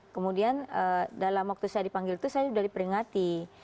kemudian dalam waktu saya dipanggil itu saya sudah diperingati